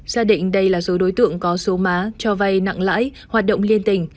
gia định đây là số đối tượng có số má cho vay nặng lãi hoạt động liên tình